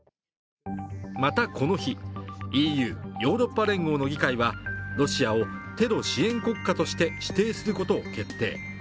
また、この日、ＥＵ＝ヨーロッパ連合の議会はロシアをテロ支援国家として指定することを決定。